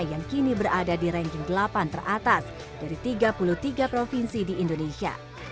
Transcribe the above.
yang kini berada di ranking delapan teratas dari tiga puluh tiga provinsi di indonesia